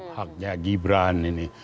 haknya gibran ini